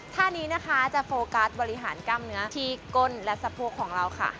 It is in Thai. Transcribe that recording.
ท่านี้นะคะจะโฟกัสบริหารกล้ามเนื้อที่ก้นและสะโพกของเราค่ะ